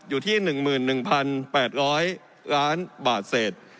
อยู่ที่หนึ่งหมื่นหนึ่งพันแปดร้อยล้านบาทเศษ